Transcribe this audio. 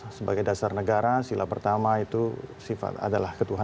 dan jelas sebagai dasar negara sila pertama itu sifat adalah keturunan